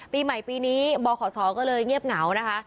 ปีใหม่ปีนี้บขศก็เลยเงียบเหงานะคะ